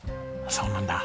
そうなんだ。